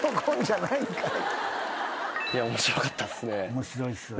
面白いっすよね。